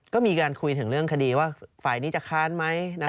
ก็มีการคุยถึงเรื่องคดีว่าฝ่ายนี้จะค้านไหม